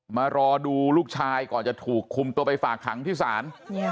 มารอดูลูกชายก่อนจะถูกคุมตัวไปฝากขังที่ศาล